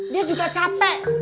dia juga capek